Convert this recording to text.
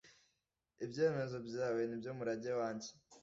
Ibyemezo byawe ni byo murage wanjye